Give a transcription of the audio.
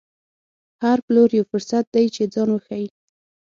هر پلور یو فرصت دی چې ځان وښيي.